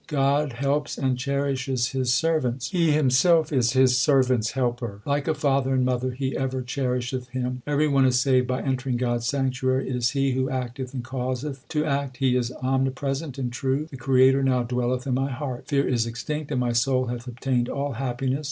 God helps and cherishes His servants : He Himself is His servant s helper. Like a father and mother He ever cherisheth him. Every one is saved by entering God s sanctuary. It is He who acteth and causeth to act ; He is omni present and true. The Creator now dwelleth in my heart. Fear is extinct and my soul hath obtained all happiness.